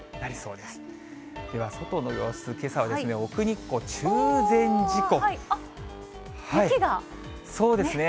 では外の様子、けさは奥日光中禅寺湖。